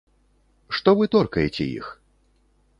Што вы торкаеце іх?